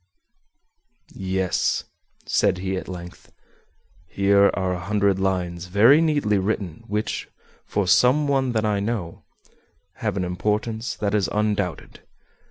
"Yes," said he, at length, "here are a hundred lines very neatly written, which, for some one that I know, have an importance that is undoubted.